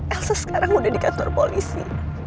elsa sekarang udah di kantor polisi